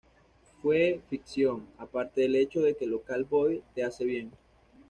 Fue ficción, aparte del hecho de que 'Local Boy te hace bien'?